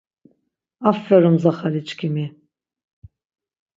Aferum mzaxaliçkimi.